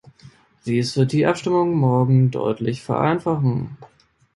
Dies wird die Abstimmung morgen deutlich vereinfachen.